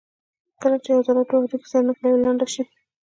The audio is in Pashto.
کله چې یوه عضله دوه هډوکي سره نښلوي لنډه شي.